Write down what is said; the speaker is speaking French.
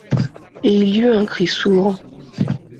Et il y eut un cri sourd.